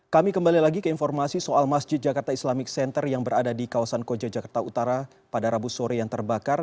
kami kembali lagi ke informasi soal masjid jakarta islamic center yang berada di kawasan koja jakarta utara pada rabu sore yang terbakar